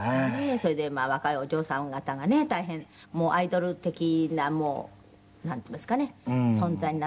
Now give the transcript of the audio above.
それでまあ若いお嬢さん方がね大変もうアイドル的なもうなんていいますかね存在になっておしまいになって。